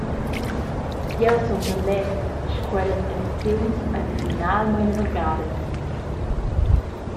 Jeu sundel leds sche quellas elecziuns ein finalmein vargadas.